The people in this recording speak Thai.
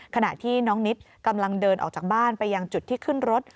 ขณะที่น้องนิดกำลังเดินออกจากบ้านไปยังจุดที่ขึ้นรถ